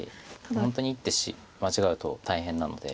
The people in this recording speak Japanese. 本当に１手間違うと大変なので。